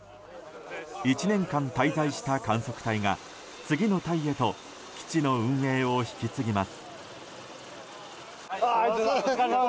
１年間滞在した観測隊が次の隊へと基地の運営を引き継ぎます。